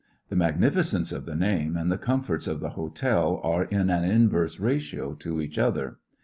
The mag nificence of the name and the comforts of the hotel are in an inverse ratio to each other.